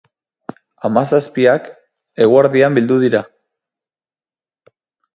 Hamazazpiak eguerdian bildu dira.